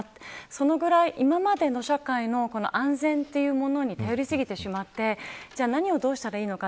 そのぐらい、今までの社会の安全というものに頼りすぎてしまって何をどうしたらいいのか。